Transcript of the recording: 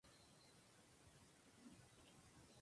Suele resolver accidentalmente los misterios de cada capítulo.